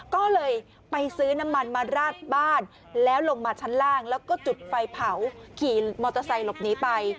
ก็เลยไปซื้อน้ำมันมาราดบ้านแล้วลงมาชั้นล่างแล้วก็จุดไฟเผาขี่มอเตอร์ไซค์หลบหนีไป